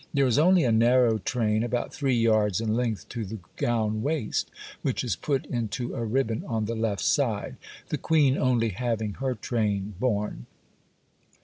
There is only a narrow train, about three yards in length to the gown waist, which is put into a ribbon on the left side,—the Queen only having her train borne.